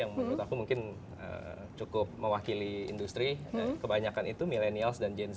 jadi yang menurut aku mungkin cukup mewakili industri kebanyakan itu millenials dan gen z